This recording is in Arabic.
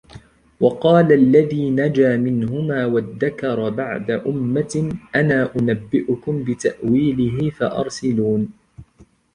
وقال الذي نجا منهما وادكر بعد أمة أنا أنبئكم بتأويله فأرسلون